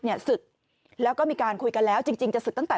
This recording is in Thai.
ศึกแล้วก็มีการคุยกันแล้วจริงจะศึกตั้งแต่